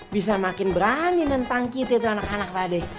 bisa makin berani nentang kita tuh anak anak padeh